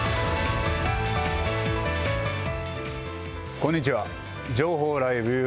こんにちは。